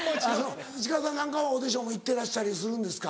市川さんなんかはオーディションも行ってらしたりするんですか？